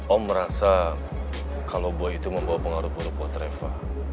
om merasa kalau buah itu membawa pengaruh buruk buat reva